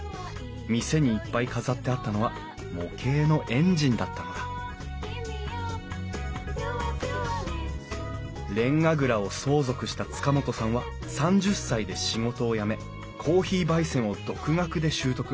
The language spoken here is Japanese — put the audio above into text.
店にいっぱい飾ってあったのは模型のエンジンだったのだれんが蔵を相続した塚本さんは３０歳で仕事を辞めコーヒーばい煎を独学で習得。